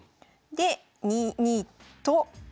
で２二と金。